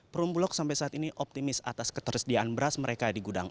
perum bulog sampai saat ini optimis atas ketersediaan beras mereka di gudang